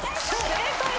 正解。